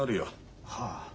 はあ。